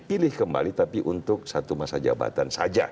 pilih kembali tapi untuk satu masa jabatan saja